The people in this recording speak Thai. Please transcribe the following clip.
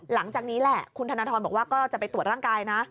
หลังจากนี้แหละคุณธนทรบอกว่าก็จะไปตรวจร่างกายนะ